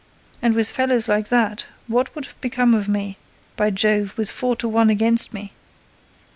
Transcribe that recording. And, with fellows like that, what would have become of me, by Jove, with four to one against me?"